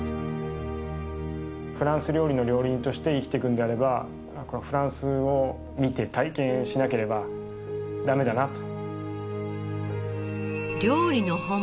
フランス料理の料理人として生きていくのであればフランスを見て体験しなければダメだなと。